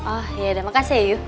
oh yaudah makasih yuk